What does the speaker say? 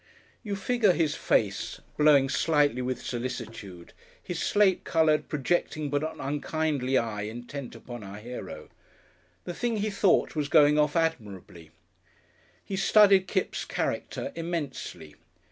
You figure his face, blowing slightly with solicitude, his slate coloured, projecting but not unkindly eye intent upon our hero. The thing he thought was going off admirably. He studied Kipps' character immensely.